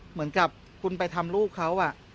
เหมือนกับคุณไปทำลูกเขา